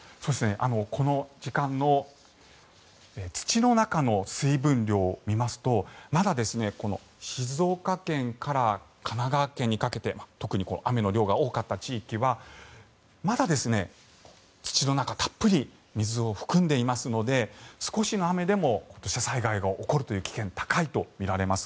この時間の土の中の水分量を見ますとまだ静岡県から神奈川県にかけて特に雨の量が多かった地域はまだ土の中たっぷり水を含んでいますので少しの雨でも土砂災害が起こるという危険が高いとみられます。